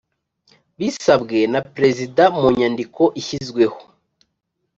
Bisabwe na Perezida mu nyandiko ishyizweho